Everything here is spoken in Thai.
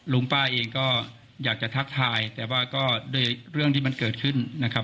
ลุงป้าเองก็อยากจะทักทายแต่ว่าก็ด้วยเรื่องที่มันเกิดขึ้นนะครับ